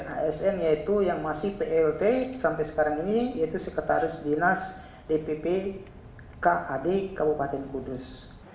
asn yaitu yang masih plt sampai sekarang ini yaitu sekretaris dinas dpp kad kabupaten kudus